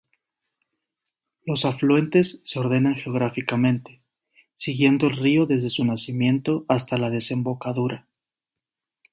Los afluentes se ordenan geográficamente, siguiendo el río desde su nacimiento hasta la desembocadura.